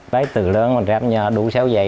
tới từ lớn mình ráp nhỏ đủ xéo dây